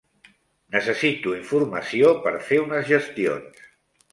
Necessito informació per fer unes gestions.